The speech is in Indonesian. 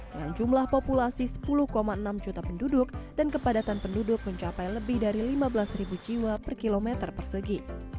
dengan jumlah populasi sepuluh enam juta penduduk dan kepadatan penduduk mencapai lebih dari lima belas jiwa per kilometer persegi